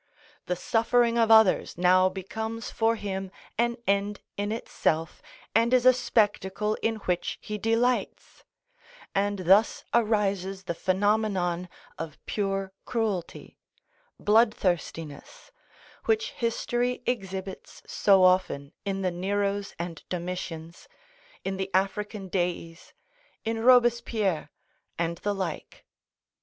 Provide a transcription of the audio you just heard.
The suffering of others now becomes for him an end in itself, and is a spectacle in which he delights; and thus arises the phenomenon of pure cruelty, blood thirstiness, which history exhibits so often in the Neros and Domitians, in the African Deis, in Robespierre, and the like.